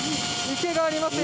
池がありますよ。